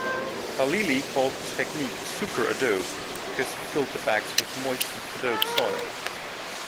Khalili called his technique superadobe, because he filled the bags with moistened adobe soil.